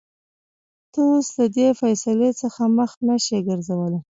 ته اوس له دې فېصلې څخه مخ نشې ګرځولى.